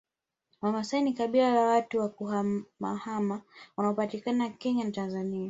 Wamasai ni kabila la watu wa kuhamahama wanaopatikana Kenya na Tanzania